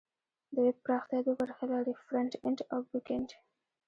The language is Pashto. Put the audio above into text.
د ویب پراختیا دوه برخې لري: فرنټ اینډ او بیک اینډ.